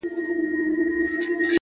کلونه پس چي درته راغلمه، ته هغه وې خو؛،